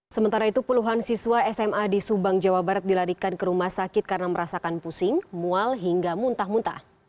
sementara itu puluhan siswa sma di subang jawa barat dilarikan ke rumah sakit karena merasakan pusing mual hingga muntah muntah